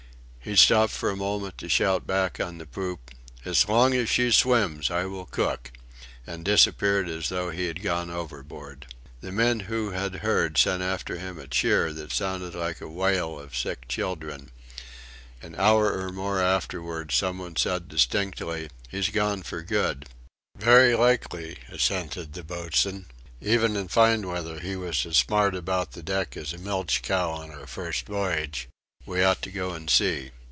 He stopped for a moment to shout back on the poop: "As long as she swims I will cook!" and disappeared as though he had gone overboard. The men who had heard sent after him a cheer that sounded like a wail of sick children. An hour or more afterwards some one said distinctly: "He's gone for good." "Very likely," assented the boatswain; "even in fine weather he was as smart about the deck as a milch cow on her first voyage. We ought to go and see."